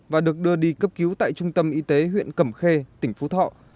và được đưa đi cấp cứu tại trung tâm y tế huyện cẩm khê tỉnh phú thọ